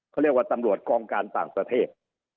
เขาเรียกว่าตำรวจกองการต่างประเทศ